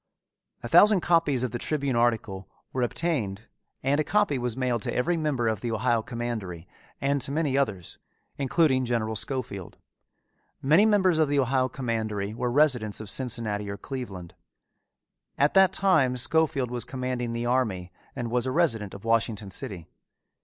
A thousand copies of the Tribune article were obtained and a copy was mailed to every member of the Ohio Commandery and to many others, including General Schofield. Many members of the Ohio Commandery were residents of Cincinnati or Cleveland. At that time Schofield was commanding the army and was a resident of Washington City.